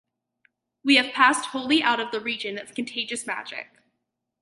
We have passed wholly out of the region of contagious magic.